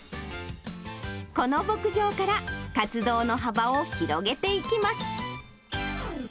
この牧場から活動の幅を広げていきます。